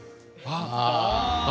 ああ。